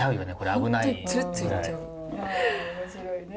あ面白いね。